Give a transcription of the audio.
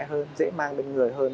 hơn dễ mang đến người hơn